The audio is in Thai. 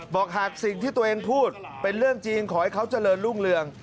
หากสิ่งที่ตัวเองพูดเป็นเรื่องจริงขอให้เขาเจริญรุ่งเรือง